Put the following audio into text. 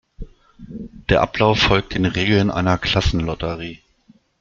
Der Ablauf folgt den Regeln einer Klassenlotterie.